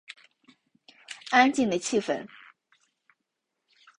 安静的气氛